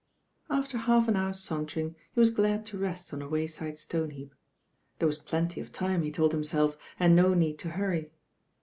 After half an hour's sauntering, he wui. ihd to rest on a wayside stone heap. There \a,i pi .liy of time, he told himself, and no need to iurry.